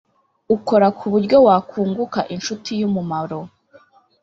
Ukora kuburyo wakunguka incuti y’umumaro